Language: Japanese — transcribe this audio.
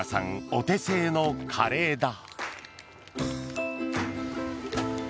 お手製のカレーだ。